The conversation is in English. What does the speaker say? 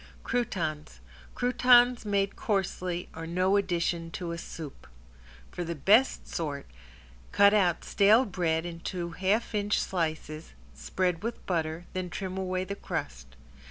~CROUTONS~ Croutons made coarsely are no addition to a soup. For the best sort, cut out stale bread into half inch slices, spread with butter, then trim away the crust.